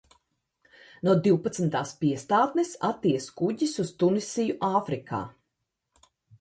No divpadsmitās piestātnes aties kuģis uz Tunisiju Āfrikā.